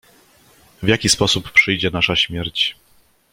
"W jaki sposób przyjdzie nasza śmierć?"